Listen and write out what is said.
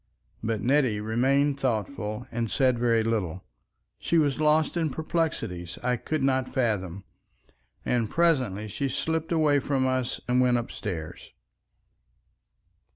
But Nettie remained thoughtful and said very little. She was lost in perplexities I could not fathom, and presently she slipped away from us and went upstairs.